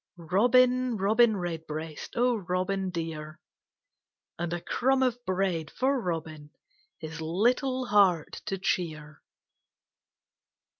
Robin, Robin Redbreast, O Robin dear, And a crumb of bread for Robin, His little heart to cheer.